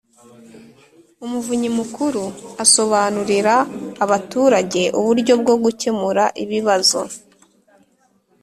Umuvunyi Mukuru asobanurira abaturage uburyo bwo gukemura ibibazo